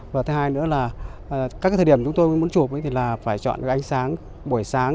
và thứ hai nữa là các thời điểm chúng tôi muốn chụp thì là phải chọn ánh sáng buổi sáng